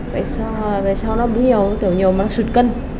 bé bú nhiều tiểu nhiều mà nó sụt cân